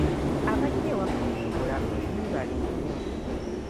Abajja ewaffe okutugulako mwebale nnyo.